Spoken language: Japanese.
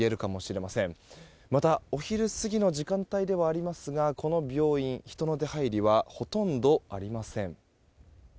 また、お昼過ぎの時間帯ではありますがこの病院、人の出入りはほとんどありません。